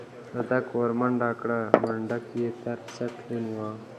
صدک ورمنډه کړه منډک يې تر څټ ونيوه.